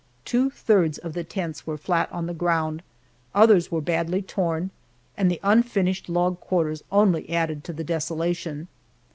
Two thirds of the tents were flat on the ground, others were badly torn, and the unfinished log quarters only added to the desolation.